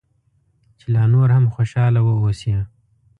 چې لا نور هم خوشاله واوسې.